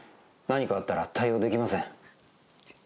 何かあったら対応できません。